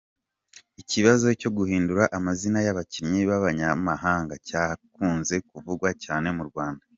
Ikibazo cyo guhindura amazina y’abakinnyi b’abanyamahanga cyakunze kuvugwa cyane mu Rwanda.